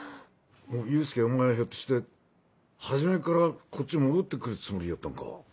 祐介お前ひょっとして初めからこっち戻って来るつもりやったんか。